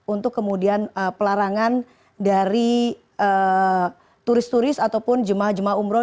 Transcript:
untuk kemudian pelarangan dari turis turis ataupun jemaah jemaah umroh